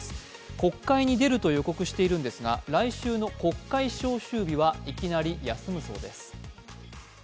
国会に出ると予告しているんですが来週の国会召集日は、いきなり休むそうです。